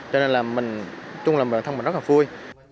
rất là vui